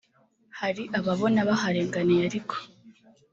Hari ababona baharenganiye ariko